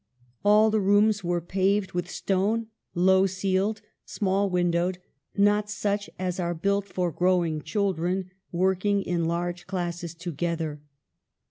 All the rooms were paved with stone, low ceiled, small windowed ; not such as are built for growing children, working in large classes together.